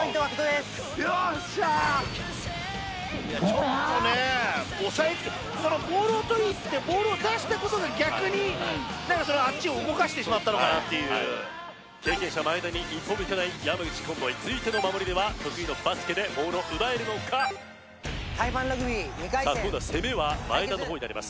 ちょっとねボールを取りいってボールを出したことが逆にあっちを動かしてしまったのかなっていう経験者・真栄田に一歩も引かない山口コンボイ続いての守りでは得意のバスケでボールを奪えるのか今度は攻めは真栄田のほうになります